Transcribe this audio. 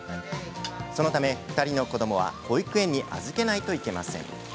そのため２人の子どもは保育園に預けないといけません。